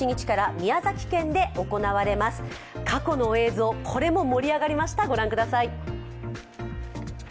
過去の映像、これも盛り上がりました、ご覧ください。